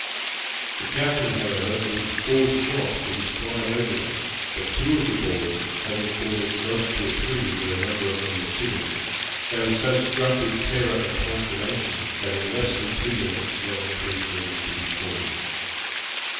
The captain, however, ordered four shot to be fired over them, but two of the balls, having fallen close to a tree where a number of them were sitting, they were so struck with terror and consternation, that, in less than two minutes, not a creature was to be seen.